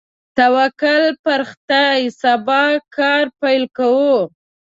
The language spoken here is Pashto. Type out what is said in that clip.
توکل په خدای، سبا کار پیل کوو.